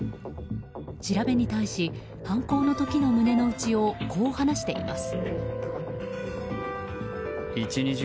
調べに対し、犯行の時の胸の内をこう話しています。